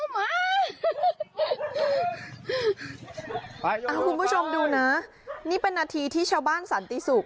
ไปโยโยไปโยโยออกบ้านไป